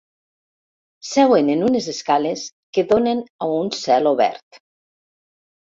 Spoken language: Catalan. Seuen en unes escales que donen a un celobert.